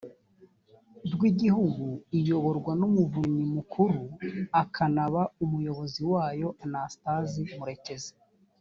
rw igihugu iyoborwa n umuvunyi mukuru akanaba umuyobozi wayo anastase murekezi